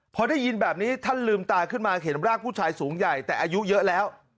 พอได้ยินแบบนี้ท่านลืมตาขึ้นมาเห็นร่างผู้ชายสูงใหญ่แต่อายุเยอะแล้ว